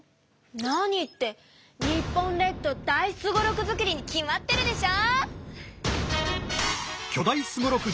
何って日本列島大すごろく作りに決まってるでしょ！